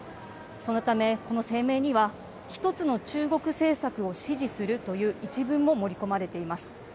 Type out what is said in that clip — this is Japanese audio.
そのため、この声明には１つの中国政策を支持するという一文も盛り込まれています。